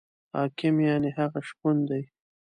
حاکم یعنې هغه شپون دی.